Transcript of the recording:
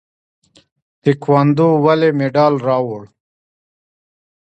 تکواندو ولې مډال راوړ؟